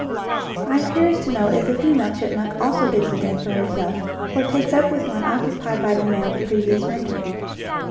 I am curious to know if the female chipmunk also digs a den for herself, or takes up with one occupied by the male the previous winter.